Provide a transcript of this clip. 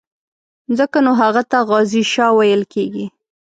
ځکه نو هغه ته غازي شاه ویل کېږي.